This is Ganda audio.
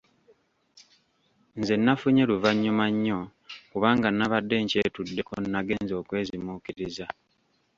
Nze nafunye luvanyuma nnyo kubanga nabadde nkyetuddeko nagenze okwezimuukiriza.